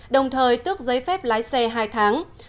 đồng thời tước giấy phép lái xe hai tháng